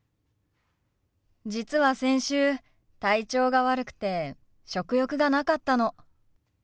実は先週体調が悪くて食欲がなかったの。